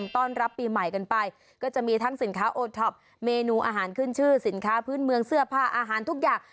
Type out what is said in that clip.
ทั้งสินค้าโอท็อปเมนูอาหารขึ้นชื่อสินค้าพื้นเมืองเสื้อผ้าอาหารทุกอย่าง